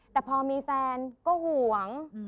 แต่พอมีแฟนก็ห่วง